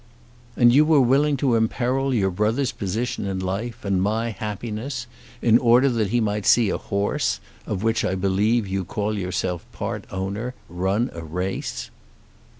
"And you were willing to imperil your brother's position in life, and my happiness, in order that he might see a horse, of which I believe you call yourself part owner, run a race?"